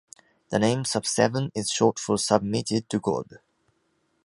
The name "Subseven" is short for "submitted to God.